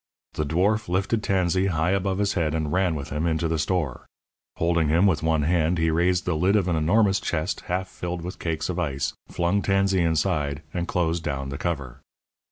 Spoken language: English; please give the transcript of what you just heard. The dwarf lifted Tansey high above his head and ran with him into the store. Holding him with one hand, he raised the lid of an enormous chest half filled with cakes of ice, flung Tansey inside, and closed down the cover.